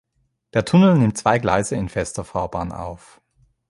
Der Tunnel nimmt zwei Gleise in Fester Fahrbahn auf.